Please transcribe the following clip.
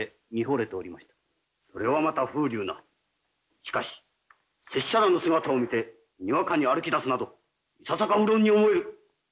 しかし拙者らの姿を見てにわかに歩きだすなどいささかうろんに思える。